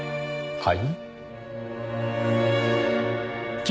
はい。